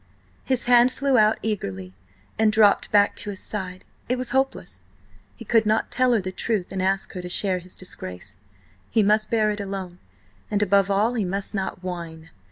His hand flew out eagerly and dropped back to his side. It was hopeless. He could not tell her the truth and ask her to share his disgrace; he must bear it alone, and, above all, he must not whine.